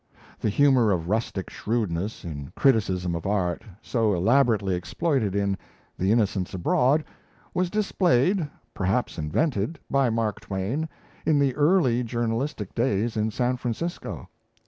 The humour of rustic shrewdness in criticism of art, so elaborately exploited in 'The Innocents Abroad', was displayed, perhaps invented, by Mark Twain in the early journalistic days in San Francisco.